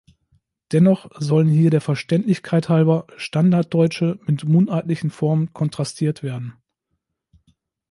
Dennoch sollen hier der Verständlichkeit halber standarddeutsche mit mundartlichen Formen kontrastiert werden.